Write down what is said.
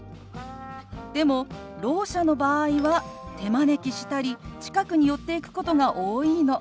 でもろう者の場合は手招きしたり近くに寄っていくことが多いの。